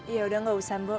ya udah gak usah mo